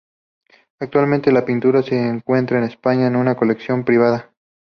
Actualmente la pintura se encuentra en España en una colección privada.